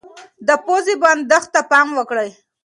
د پوزې بندښت ته پام وکړئ.